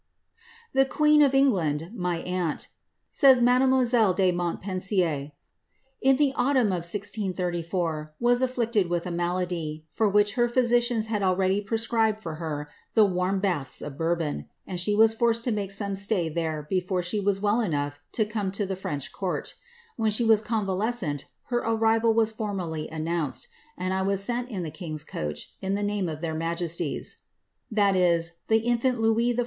^ The queen of England, my aunt,^' says mademoiselle de Moo pensier, ^ in the autumn of 1634 was afllicted with a malady, for whic her physicians had already prescribed for her the warm baths of Boa bon, and she was forced to make some stay there before she was wc enough to come to the French court When she was convalescent, b arrival was formally announced, and I was sent in the king's coach, i the name of their majesties, (the infant Louis XIV.